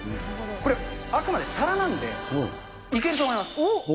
これ、あくまで皿なんで、いけると思います。